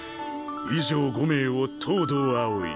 以上５名を東堂葵。